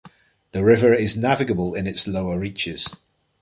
The river is navigable in its lower reaches.